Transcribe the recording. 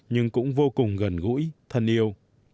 nhưng cũng vô cùng gần gũi thân yêu